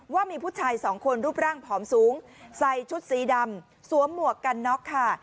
ว่ามีผู้ชายสองคนรูปร่างผอมสูงใส่ชุดสีดำสวมหมวกกันน็อกค่ะ